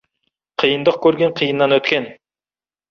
Қиындық көрген — қиыннан өткен.